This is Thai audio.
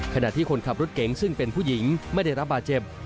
ขณะที่คนขับรถเก๋งซึ่งเป็นผู้หญิงไม่ได้รับบาดเจ็บ